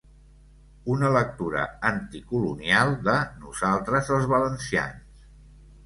Una lectura anticolonial de ‘Nosaltres, els valencians’